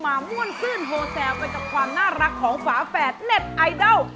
ม่วนซื่นโฮแซลไปกับความน่ารักของฝาแฝดเน็ตไอดอล